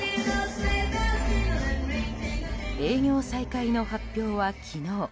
営業再開の発表は昨日。